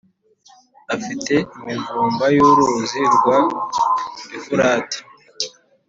afite imivumba y’uruzi rwa Efurati